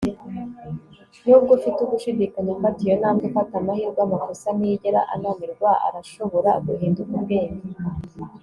nubwo ufite ugushidikanya, fata iyo ntambwe. fata amahirwe. amakosa ntiyigera ananirwa - arashobora guhinduka ubwenge.